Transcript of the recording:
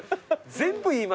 全部言いますやん。